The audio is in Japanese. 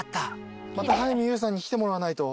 また早見優さんに来てもらわないと。